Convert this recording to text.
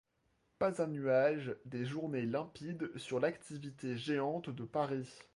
Pas un nuage, des journées limpides sur l'activité géante de Paris.